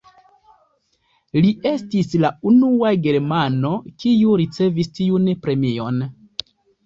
Li estis la unua germano, kiu ricevis tiun premion.